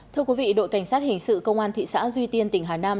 thưa quý vị đội cảnh sát hình sự công an thị xã duy tiên tỉnh hà nam